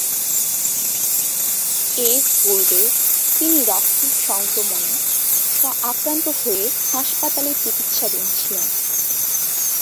এরপূর্বে তিনি রক্তের সংক্রমণে আক্রান্ত হয়ে হাসপাতালে চিকিৎসাধীন ছিলেন।